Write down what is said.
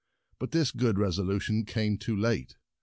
But this good resolution came too late.